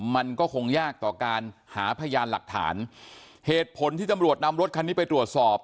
มันก็คงยากต่อการหาพยานหลักฐานเหตุผลที่ตำรวจนำรถคันนี้ไปตรวจสอบ